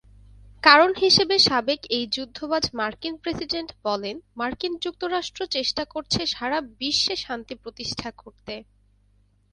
কারণ হিসেবে সাবেক এই যুদ্ধবাজ মার্কিন প্রেসিডেন্ট বলেন মার্কিন যুক্তরাষ্ট্র চেষ্টা করছে সারা বিশ্বে শান্তি প্রতিষ্ঠা করতে।